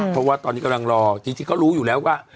เพราะว่าตอนนี้กำลังรอจริงก็รู้อยู่แล้วว่า